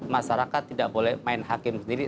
masyarakat tidak boleh main hakim sendiri